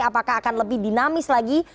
apakah akan lebih dinamis lagi